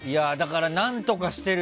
何とかしてる。